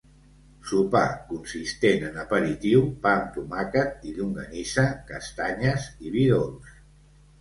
Sopar, consistent en aperitiu, pa amb tomàquet i llonganissa, castanyes i vi dolç.